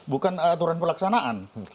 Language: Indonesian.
bukan aturan pelaksanaan